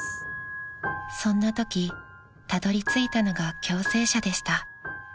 ［そんなときたどりついたのが共生舎でした］